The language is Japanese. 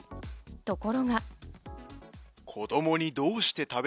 ところが。